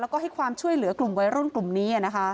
แล้วก็ให้ความช่วยเหลือกลุ่มวัยรุ่นกลุ่มนี้